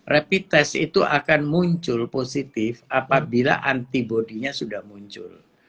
rapid test itu akan muncul positif apabila antibody nya sudah muncul